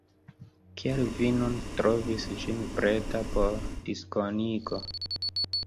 Kial vi nun trovis ĝin preta por diskonigo?